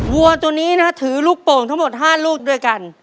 วัวตัวนี้นะถือลูกโป่งทั้งหมด๕ลูกด้วยกัน